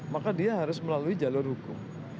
maka dia harus melalui jalur hukum